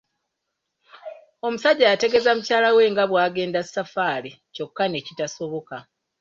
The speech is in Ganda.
Omusajja yategeeza mukyala we nga bw'agenda saffaali kyokka ne kitasoboka.